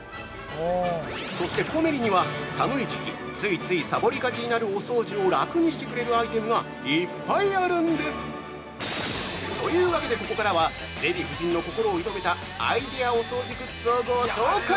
そして、コメリには寒い時期ついついさぼりがちになるお掃除を楽にしてくれるアイテムがいっぱいあるんです！というわけで、ここからはデヴィ夫人の心を射止めたアイデアお掃除グッズをご紹介！